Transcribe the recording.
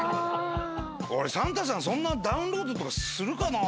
俺、サンタさん、そんなダウンロードとかするかなぁ？